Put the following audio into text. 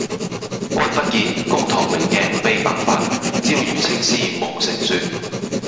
君不見，高堂明鏡悲白發，朝如青絲暮成雪。